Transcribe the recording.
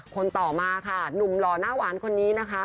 คนต่อมาค่ะหนุ่มหล่อหน้าหวานคนนี้นะคะ